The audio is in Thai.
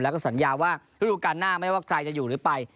แล้วก็สัญญาว่าฤดูการหน้าไม่ว่าใครจะอยู่หรือไป